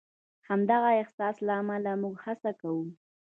د همدغه احساس له امله موږ هڅه کوو.